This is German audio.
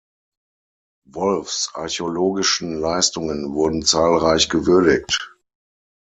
Wolffs archäologischen Leistungen wurden zahlreich gewürdigt.